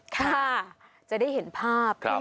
ค่ะจะได้เห็นภาพ